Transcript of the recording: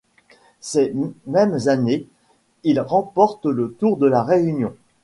Ces mêmes années, il remporte le Tour de la Réunion.